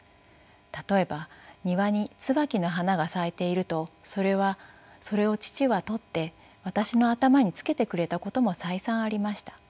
例えば庭に椿の花が咲いているとそれを父は採って私の頭につけてくれたことも再三ありました。